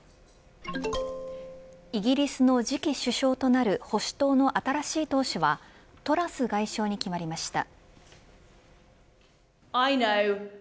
イギリスの次期首相となる保守党の新しい党首はトラス外相に決まりました。